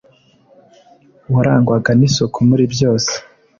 warangwaga n'isuku muri byose